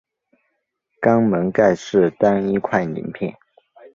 肛门盖是单一块鳞片。